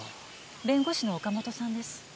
弁護士の岡本さんです。